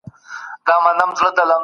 روښانه فکر بریالیتوب نه زیانمنوي.